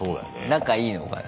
仲いいのかな？